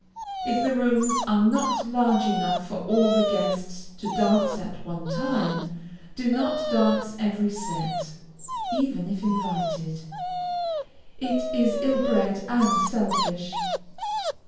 If the rooms are not large enough for all the guests to dance at one time, do not dance every set, even if invited. It is ill bred and selfish.